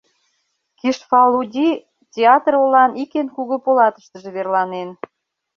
Кишфалуди театр олан ик эн кугу полатыштыже верланен.